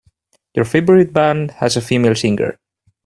Your favorite band has a female singer.